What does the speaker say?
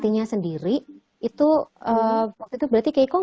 fishing setelah curi tanpa honing